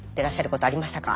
ことありましたか？